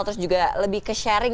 terus juga lebih ke sharing